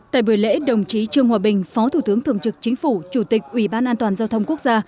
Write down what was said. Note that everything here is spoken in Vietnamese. tại buổi lễ đồng chí trương hòa bình phó thủ tướng thường trực chính phủ chủ tịch ủy ban an toàn giao thông quốc gia